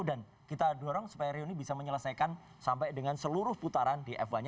dan kita dorong supaya rio ini bisa menyelesaikan sampai dengan seluruh putaran di f satu nya